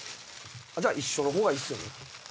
じゃあ一緒の方がいいっすよね。